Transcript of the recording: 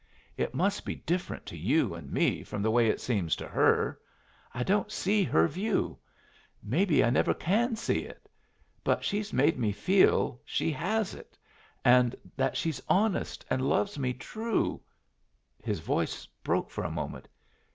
It must be different to you and me from the way it seems to her. I don't see her view; maybe I never can see it; but she's made me feel she has it, and that she's honest, and loves me true " His voice broke for a moment.